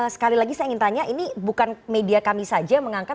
sekali lagi saya ingin tanya ini bukan media kami saja yang mengangkat